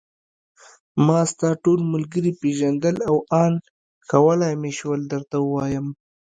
ما ستا ټول ملګري پېژندل او آن کولای مې شول درته ووایم.